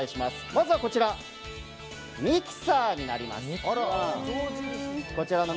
まずは、ミキサーになります。